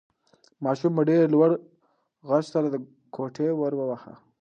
ماشوم په ډېر لوړ غږ سره د کوټې ور واهه.